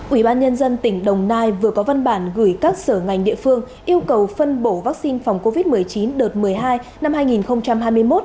ủy ban nhân dân tỉnh đồng nai vừa có văn bản gửi các sở ngành địa phương yêu cầu phân bổ vaccine phòng covid một mươi chín đợt một mươi hai năm hai nghìn hai mươi một